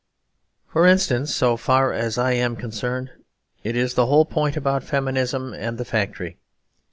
For instance, so far as I am concerned, it is the whole point about feminism and the factory.